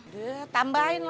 udah tambahin lagi